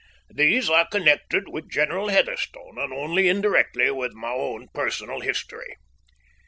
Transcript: These are connected with General Heatherstone, and only indirectly with my own personal history.